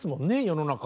世の中